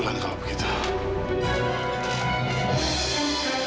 aku akan mencari tahu